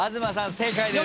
正解です。